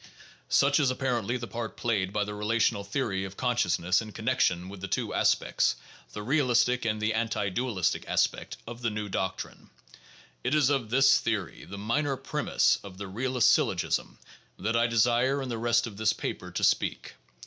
Such is apparently the part played by the relational theory of consciousness in connection with the two aspects — the realistic and the anti dualistic aspect — of the new doctrine. It is of this theory — the minor premise of the realist's syllogism — that I desire in the rest of this paper to speak.